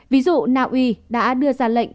ví dụ naui đã đưa ra lệnh